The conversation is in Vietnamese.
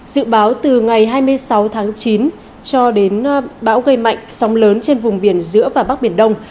dự báo từ ngày hai mươi sáu tháng chín cho đến bão gây mạnh sóng lớn trên vùng biển giữa và bắc biển đông